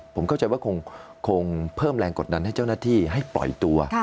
ผมเข้าใจว่าคงเพิ่มแรงกดดันให้เจ้าหน้าที่ให้ปล่อยตัว